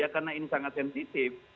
karena ini sangat sensitif